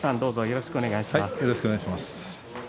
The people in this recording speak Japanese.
よろしくお願いします。